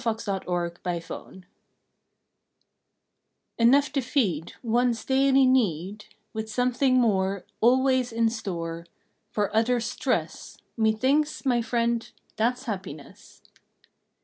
October Second HAPPINESS pNOUGH to feed One s daily need, With something more Always in store For others stress Methinks, my friend, that s Happiness!